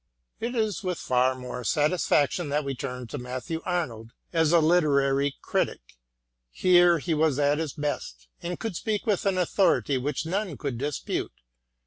It is with far more satisfaction that we turn to Matthew Arnold as a literary critic : here he was at his best and could speak with an authority which none could dispute.